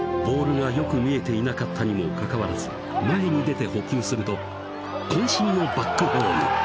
ボールがよく見えていなかったにもかかわらず前に出て捕球すると渾身のバックホーム！